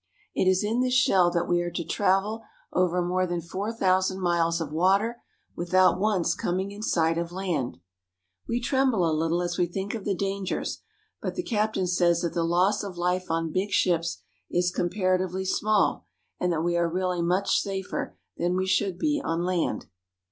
It is in this shell that we are to travel over more than four thousand miles of water without once coming in sight of land. We tremble a little as we think of the dangers, but the captain says that the loss of life on big ships is comparatively small, and that we are really much safer than we should be on land.